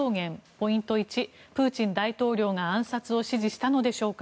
ポイント１プーチン大統領が暗殺を指示したのでしょうか。